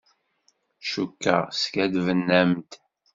Cukkeɣ skaddben-am-d.